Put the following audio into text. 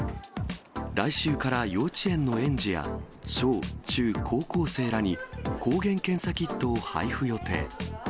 来週から、幼稚園の園児や、小中高校生らに抗原検査キットを配布予定。